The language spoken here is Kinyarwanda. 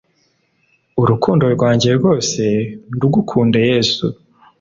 Urukundo rwanjye rwose ndugukunde yesu